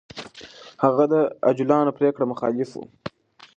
هغه د عجولانه پرېکړو مخالف و.